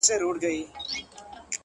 څه جانانه تړاو بدل کړ’ تر حد زیات احترام’